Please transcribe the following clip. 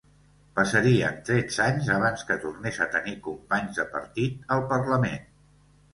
Passarien tretze anys abans que tornés a tenir companys de partit al Parlament.